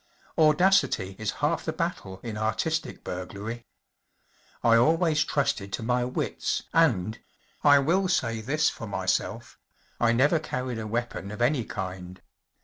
Audacity is half the battle in artistic burglary. I always trusted to my wits, and‚ÄĒ I will say this for myself‚ÄĒI never carried a weapon of any kind.